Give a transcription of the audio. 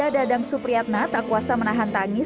dadang supriyatna tak kuasa menahan tangis